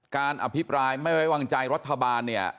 อภิปรายไม่ไว้วางใจรัฐบาลเนี่ย